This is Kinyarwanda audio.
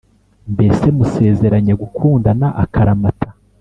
mbese musezeranye gukundana akaramata